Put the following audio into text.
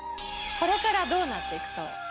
これからどうなって行くかを。